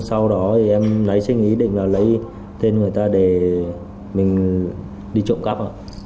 sau đó em lấy sinh ý định là lấy thêm người ta để mình đi trộm cắp